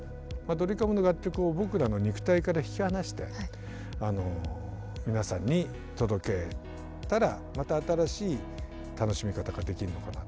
ドリカムの楽曲を僕らの肉体から引き離して皆さんに届けたらまた新しい楽しみ方ができるのかなと。